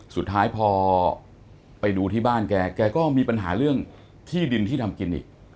สุดท้ายพอไปดูที่บ้านแกแกก็มีปัญหาเรื่องที่ดินที่ทำกินอีก